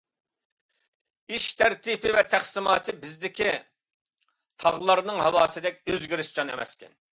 ئىش تەرتىپى ۋە تەقسىماتى بىزدىكى تاغلارنىڭ ھاۋاسىدەك ئۆزگىرىشچان ئەمەسكەن.